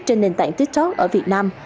trên nền tảng tiktok ở việt nam